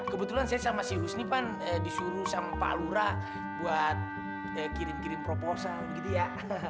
kebetulan saya sama si husni pan disuruh sama pak lura buat kirim kirim proposal gitu ya